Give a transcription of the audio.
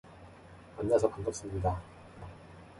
만나서 반갑습니다.